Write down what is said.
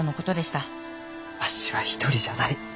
わしは一人じゃない。